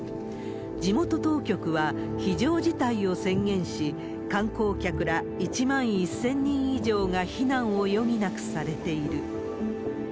地元当局は非常事態を宣言し、観光客ら１万１０００人以上が避難を余儀なくされている。